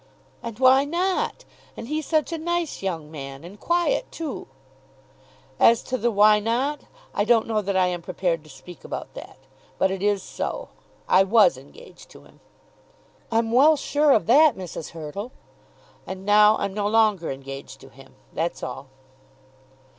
"And why not? and he such a nice young man, and quiet too." "As to the why not, I don't know that I am prepared to speak about that. But it is so. I was engaged to him." "I'm well sure of that, Mrs. Hurtle." "And now I'm no longer engaged to him. That's all."